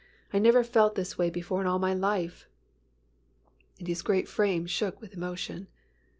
I never felt this way before in all my life," and his great frame shook with emotion.